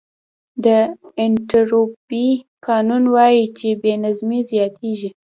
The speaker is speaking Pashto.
د انټروپي قانون وایي چې بې نظمي زیاتېږي.